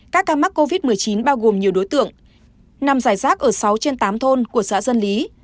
các ca mắc covid một mươi chín bao gồm nhiều đối tượng nằm giải rác ở sáu trên tám thôn của xã dân lý